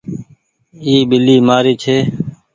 اي ٻلي مآري ڇي۔